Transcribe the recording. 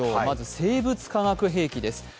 まず生物化学兵器です。